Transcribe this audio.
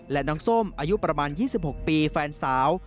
และน้องส้มอายุประมาณ๒๖ปีแฟนสาว